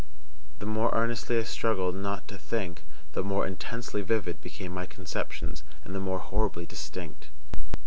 The more earnestly I struggled _not to think,_the more intensely vivid became my conceptions, and the more horribly distinct.